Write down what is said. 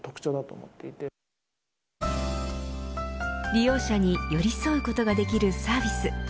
利用者に寄り添うことができるサービス。